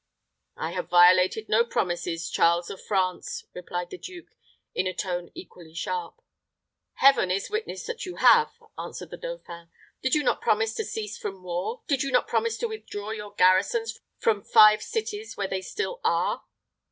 "I have violated no promises, Charles of France," replied the duke, in a tone equally sharp. "Heaven is witness that you have," answered the dauphin. "Did you not promise to cease from war? Did you not promise to withdraw your garrisons from five cities where they still are?"